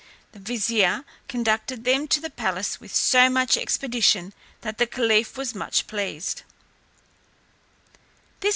The vizier conducted them to the palace with so much expedition, that the caliph was much pleased.